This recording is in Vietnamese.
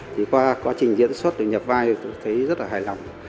thì qua quá trình diễn xuất thì nhập vai tôi thấy rất là hài lòng